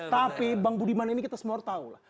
tapi bang budiman ini kita semua orang tahu lah